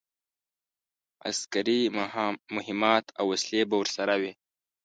عسکري مهمات او وسلې به ورسره وي.